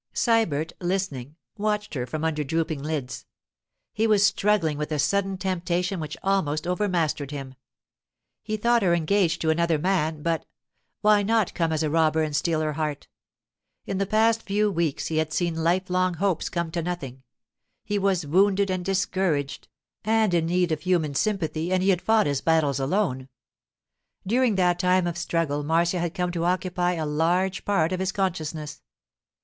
Sybert, listening, watched her from under drooping lids. He was struggling with a sudden temptation which almost overmastered him. He thought her engaged to another man, but—why not come as a robber and steal her heart? In the past few weeks he had seen lifelong hopes come to nothing; he was wounded and discouraged and in need of human sympathy, and he had fought his battles alone. During that time of struggle Marcia had come to occupy a large part of his consciousness.